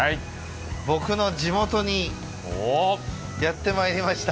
僕の地元にやってまいりました。